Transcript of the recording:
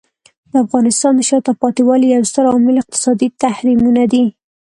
د افغانستان د شاته پاتې والي یو ستر عامل اقتصادي تحریمونه دي.